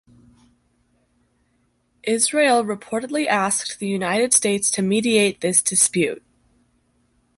Israel reportedly asked the United States to mediate this dispute.